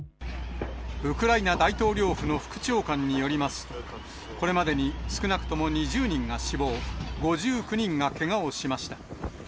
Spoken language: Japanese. ウクライナ大統領府の副長官によりますと、これまでに少なくとも２０人が死亡、５９人がけがをしました。